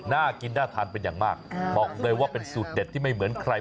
น่ากินน่าทานเป็นอย่างมากบอกเลยว่าเป็นสูตรเด็ดที่ไม่เหมือนใคร